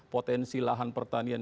potensi lahan pertanian